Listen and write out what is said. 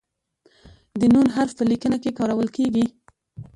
د "ن" حرف په لیکنه کې کارول کیږي.